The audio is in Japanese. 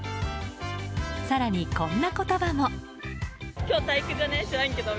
更に、こんな言葉も。